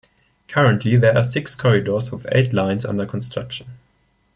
Currently there are six corridors with eight lines under construction.